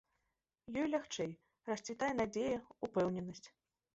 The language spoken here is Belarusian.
Ёй лягчэй, расцвітае надзея, упэўненасць.